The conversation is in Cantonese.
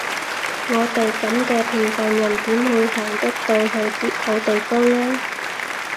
我哋噉嘅平凡人點會行得到去啲好地方呀？